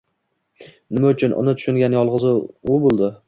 Nima uchun? Uni tushungan yolg'iz u bo'ldi.